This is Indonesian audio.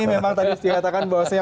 memang tadi sudah dikatakan bahwasanya